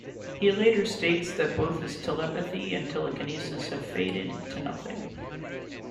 He later states that both his telepathy and telekinesis have faded to nothing.